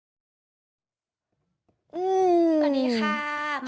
ใช่ค่ะ